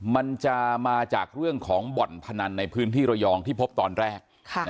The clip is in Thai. มันจะมาจากเรื่องของบ่อนพนันในพื้นที่ระยองที่พบตอนแรก